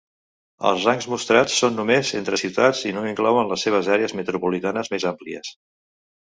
Els rangs mostrats són només entre ciutats i no inclouen les seves àrees metropolitanes més àmplies.